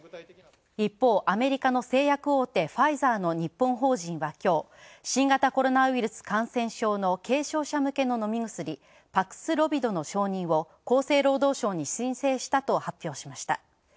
一方、アメリカの製薬大手ファイザーの日本法人はきょう新型コロナウイルス感染症の軽症者向けの飲み薬パクスロビドの承認を厚生労働省に申請したと発表しました。